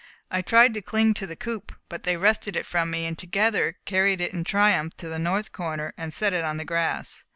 I tried to cling to the coop, but they wrested it from me and together carried it in triumph to the north corner and set it on the grass.